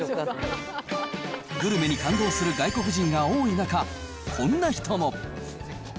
グルメに感動する外国人が多い中、こんな人も。